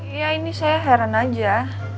ya ini saya heran aja